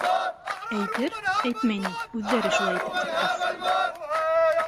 — Әйтер, әйтмәй ни, үҙҙәре шулай итеп сыҡҡас.